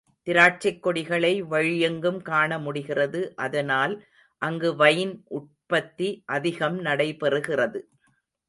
திராட்சைக் கொடிகளை வழி எங்கும் காணமுடிகிறது, அதனால் அங்கு வைன் உற்பத்தி அதிகம் நடைபெறு கிறது.